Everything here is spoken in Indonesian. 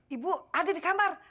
ibu ada di kamar